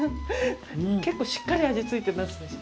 結構しっかり味付いてますでしょ？